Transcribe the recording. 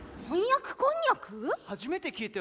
初めて聞いたよ。